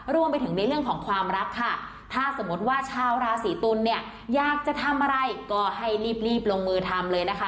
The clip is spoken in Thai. รวมไปถึงในเรื่องของความรักค่ะถ้าสมมติว่าชาวราศีตุลเนี่ยอยากจะทำอะไรก็ให้รีบรีบลงมือทำเลยนะคะ